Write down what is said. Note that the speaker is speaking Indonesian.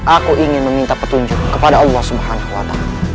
aku ingin meminta petunjuk kepada allah swt